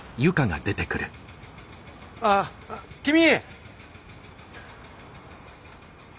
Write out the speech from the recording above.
ああ君！